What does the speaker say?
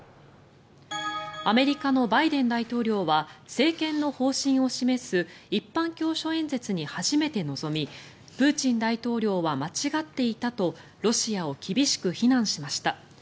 アメリカのバイデン大統領は政権の方針を示す一般教書演説に初めて臨みプーチン大統領は間違っていたとロシアを厳しく非難しました。